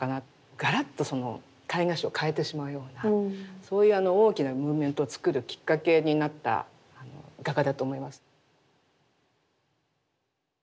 ガラッとその絵画史を変えてしまうようなそういう大きなムーブメントをつくるきっかけになった画家だと思いますね。